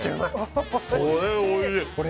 これおいしい。